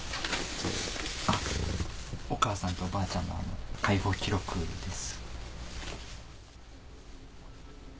お母さんとおばあちゃんの介護記録です。